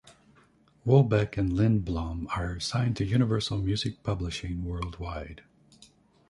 Wollbeck and Lindblom are signed to Universal Music Publishing world wide.